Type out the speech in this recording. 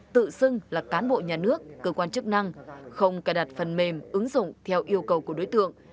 tự xưng là cán bộ nhà nước cơ quan chức năng không cài đặt phần mềm ứng dụng theo yêu cầu của đối tượng